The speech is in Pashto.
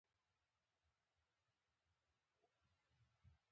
پیلوټ د شجاعت سمبول ګڼل کېږي.